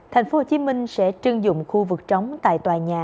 thành phố hồ chí minh sẽ trưng dụng khu vực trống tại tòa nhà